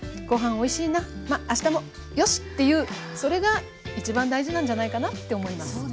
ごはんおいしいなまあしたもよし！っていうそれが一番大事なんじゃないかなって思います。